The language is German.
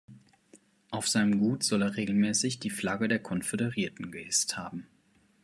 Auf seinem Gut soll er regelmäßig die Flagge der Konföderierten gehisst haben.